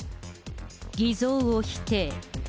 偽造を否定。